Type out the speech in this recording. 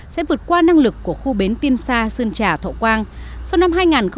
sẽ vượt qua năng lực của khu bến tiên sa sơn trà thọ quang sau năm hai nghìn hai mươi